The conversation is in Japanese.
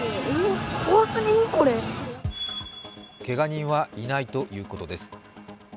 けが人はいないということです。